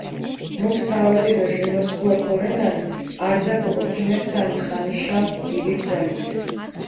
მუთ თავადი დო ჟინოსქუა ქორენან, არძაქ ოკო ქიმერთან ხანიშა დიდი ძღვენით.